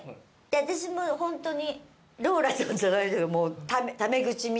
私もホントに。